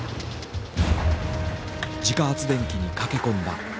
自家発電機に駆け込んだ。